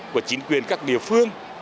của chính quyền các địa phương